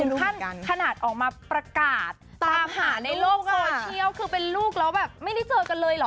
ขั้นขนาดออกมาประกาศตามหาในโลกโซเชียลคือเป็นลูกแล้วแบบไม่ได้เจอกันเลยเหรอ